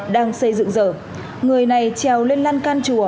đang xây dựng giờ người này treo lên lan can chùa